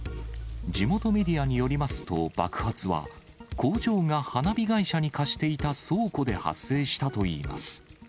地元メディアによりますと、爆発は工場が花火会社に貸していた倉庫で発生したといいます。